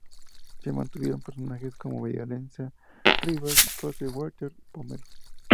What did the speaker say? Se mantuvieron personajes como "Violencia Rivas", "Kosher Waters", "Pomelo".